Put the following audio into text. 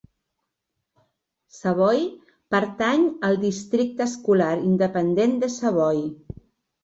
Savoy pertany al districte escolar independent de Savoy.